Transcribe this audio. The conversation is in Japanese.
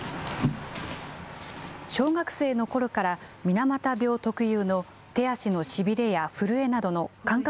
小学生のころから、水俣病特有の手足のしびれや震えなどの感覚